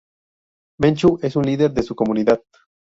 Menchú es un líder de su comunidad.